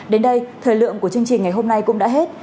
đến đây thời lượng của chương trình ngày hôm nay cũng đã hết